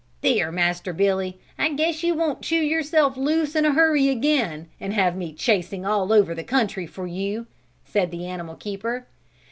"There, Master Billy, I guess you won't chew yourself loose in a hurry again, and have me chasing all over the country for you," said the animal keeper.